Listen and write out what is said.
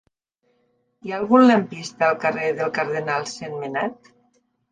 Hi ha algun lampista al carrer del Cardenal Sentmenat?